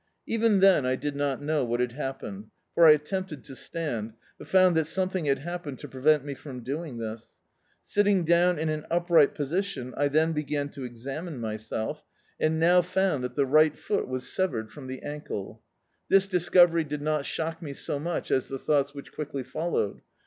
Even then I did not know what had happened, for I attempted to stand, but found that something had happened to prevent me from doing this. Sit ting down in an upright position, I then began to examine myself, and now found that the right foot D,i.,.db, Google The Autobiography of a Super Tramp was severed from the ankle. This discovery did not shock me so much as the thoughts which quickly followed.